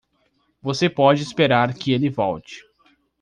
Você pode esperar que ele volte.